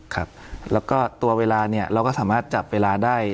ครับแล้วก็ตัวเวลาเนี่ยเราก็สามารถจับเวลาได้